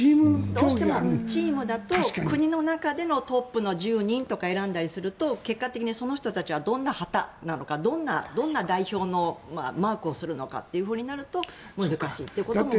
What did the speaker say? どうしてもチームだと国の中でのトップの１０人とか選んだりすると結果的にその人たちはどんな旗なのかどんな代表のマークをするのかってなると難しいということももちろん。